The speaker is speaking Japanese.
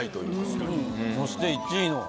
そして１位の。